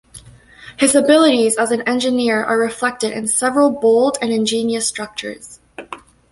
His abilities as an engineer are reflected in several bold and ingenious structures.